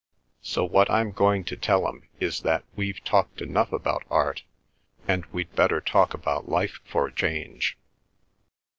So what I'm going to tell 'em is that we've talked enough about art, and we'd better talk about life for a change.